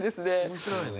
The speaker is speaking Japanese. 面白いね。